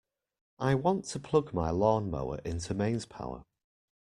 I want to plug my lawnmower into mains power